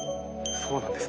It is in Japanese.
そうなんです。